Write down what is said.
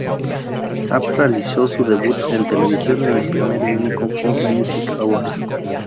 Zapp realizó su debut en televisión en el primer y único Funk Music Awards.